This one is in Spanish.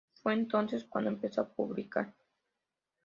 Fue entonces cuando empezó a publicar.